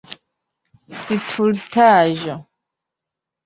stultaĵo